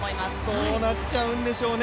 どうなっちゃうんでしょうね